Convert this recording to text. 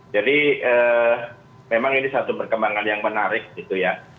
jadi memang ini satu perkembangan yang menarik gitu ya